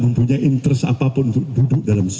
mempunyai interest apapun untuk duduk dalam